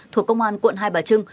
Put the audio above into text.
thuộc công an quận hai bà trưng